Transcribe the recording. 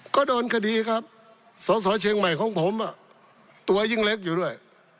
ก็โดนคดีครับสสเชียงใหม่ของผมตัวยิ่งเล็กอยู่ด้วย